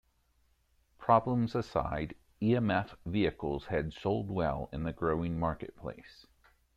Problems aside, E-M-F vehicles had sold well in the growing marketplace.